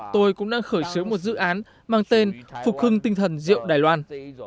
tôi cũng đang khởi xướng một dự án mang tên phục hưng tinh thần rượu đài loan